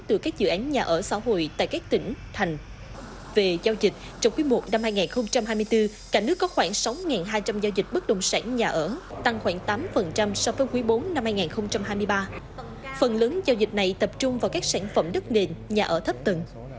phần lớn giao dịch này tập trung vào các sản phẩm đất nền nhà ở thấp tận